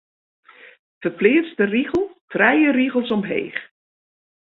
Ferpleats de rigel trije rigels omheech.